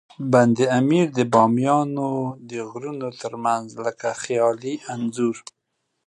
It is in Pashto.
بند امیر د بامیانو د غرونو ترمنځ لکه خیالي انځور.